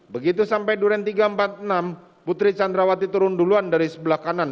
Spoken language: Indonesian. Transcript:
begitu sampai durian tiga ratus empat puluh enam putri candrawati turun duluan dari sebelah kanan